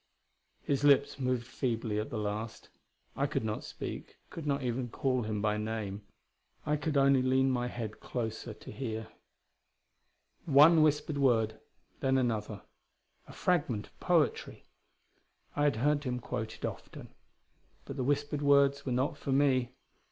His lips moved feebly at the last. I could not speak; could not even call him by name; I could only lean my head closer to hear. One whispered word; then another: a fragment of poetry! I had heard him quote it often. But the whispered words were not for me.